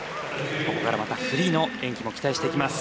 ここからまたフリーの演技も期待していきます。